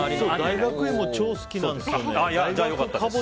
大学芋、超好きなんですよね。